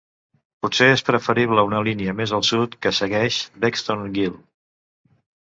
Potser és preferible una línia més al sud que segueix Beckstones Gill.